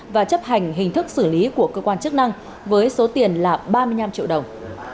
và chấp hành hình thức xử lý của cơ quan chức năng với số tiền là ba mươi năm triệu đồng